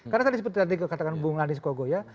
karena tadi seperti tadi katakan bung lani skogoya